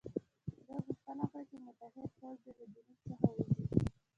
دوی غوښتنه وکړه چې متحد پوځ دې له جنوب څخه ووځي.